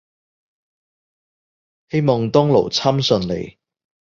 希望當勞侵順利